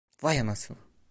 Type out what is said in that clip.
Vay anasını.